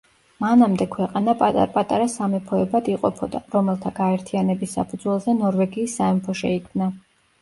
მანამდე ქვეყანა პატარ–პატარა სამეფოებად იყოფოდა, რომელთა გაერთიანების საფუძველზე ნორვეგიის სამეფო შეიქმნა.